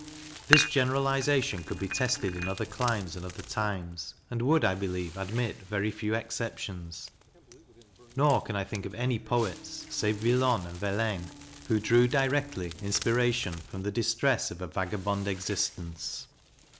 This generalization could be tested in other climes and other times, and would, I believe, admit few exceptions ; nor can I think of any poets, save Villon and Verlaine, who drew directly inspira tion from the distress of a vagabond existence.